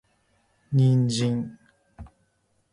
人参